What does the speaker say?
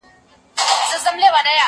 زه به سبا د يادښتونه بشپړ وکړم؟!